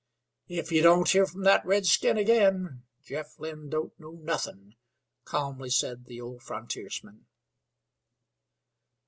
"If ye don't hear from that redskin ag'in Jeff Lynn don't know nothin'," calmly said the old frontiersman.